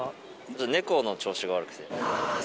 猫の調子が悪くて。